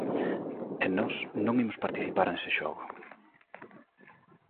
E nós non imos participar nese xogo.